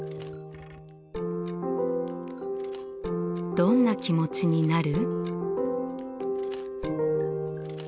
どんな気持ちになる？